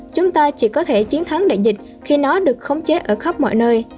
chúng ta chỉ có thể chiến thắng đại dịch khi nó được khống chế ở khắp mọi nơi